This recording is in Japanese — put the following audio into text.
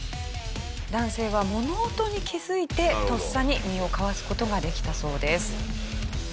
男性は物音に気づいてとっさに身をかわす事ができたそうです。